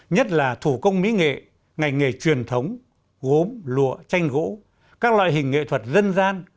nhất là thủ công mỹ nghệ ngành nghề truyền thống gốm lụa tranh gỗ các loại hình nghệ thuật dân gian